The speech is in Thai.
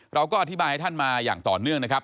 เราก็อธิบายให้ท่านมาอย่างต่อเนื่องนะครับ